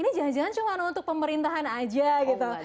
ini jangan jangan cuma untuk pemerintahan aja gitu